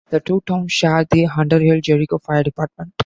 The two towns share the Underhill-Jericho Fire Department.